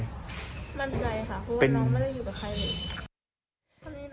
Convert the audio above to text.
มั่นใจค่ะเพราะว่าน้องไม่ได้อยู่กับใครเลย